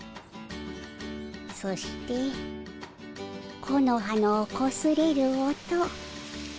そして木の葉のこすれる音。